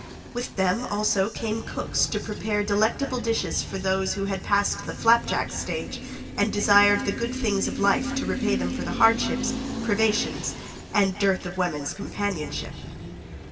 With them also came cooks to prepare delectable dishes for those who had passed the flap jack stage, and desired the good things of life to repay them for the hardships, privations and dearth of woman's companionship.